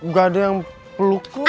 gak ada yang peluk kok